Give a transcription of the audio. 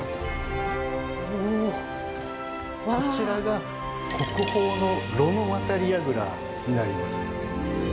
こちらが国宝のロの渡櫓になります。